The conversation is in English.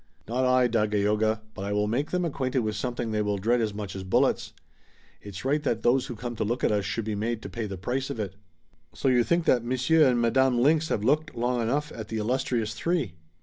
"Not I, Dagaeoga, but I will make them acquainted with something they will dread as much as bullets. It's right that those who come to look at us should be made to pay the price of it." "So you think that Monsieur and Madame Lynx have looked long enough at the illustrious three?"